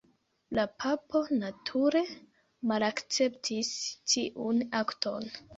La papo nature malakceptis tiun akton.